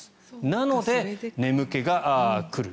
なので、眠気が来る。